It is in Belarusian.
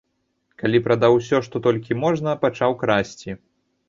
Калі прадаў усё, што толькі можна, пачаў красці.